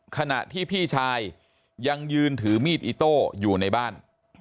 ขณะที่พี่ชายยังยืนถือมีดอิโต้อยู่ในบ้าน